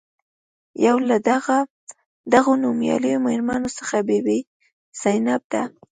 یو له دغو نومیالیو میرمنو څخه بي بي زینب ده.